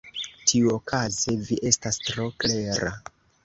Tiuokaze, vi estas tro klera.